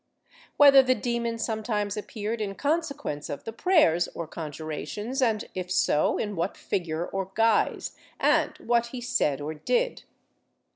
Whether the demon sometimes appeared in consequence of the prayers or con jurations and, if so, in what figure or guise, and what he said or did.